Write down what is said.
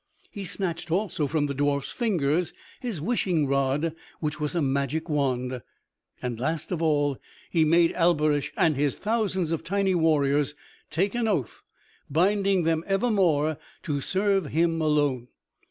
He snatched also from the dwarf's fingers his wishing rod, which was a Magic Wand. And last of all he made Alberich and his thousands of tiny warriors take an oath, binding them evermore to serve him alone.